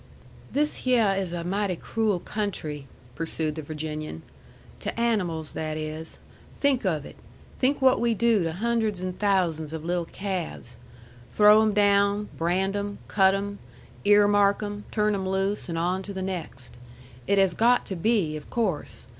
"This hyeh is a mighty cruel country," pursued the Virginian. "To animals that is. Think of it! Think what we do to hundreds an' thousands of little calves! Throw 'em down, brand 'em, cut 'em, ear mark 'em, turn 'em loose, and on to the next. It has got to be, of course.